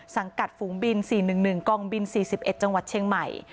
สังกัดฝูงบิน๔๑๑กองบิน๔๑จังหวัดเชียงใหม่